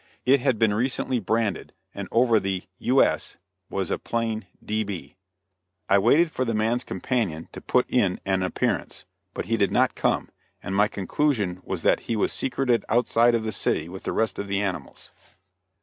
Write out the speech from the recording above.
It had been recently branded, and over the "U.S." was a plain "D.B." I waited for the man's companion to put in an appearance, but he did not come, and my conclusion was that he was secreted outside of the city with the rest of the animals.